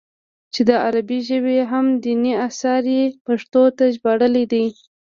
چې د عربي ژبې اهم ديني اثار ئې پښتو ته ژباړلي دي